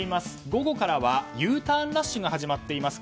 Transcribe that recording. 午後からはＵターンラッシュが始まっています。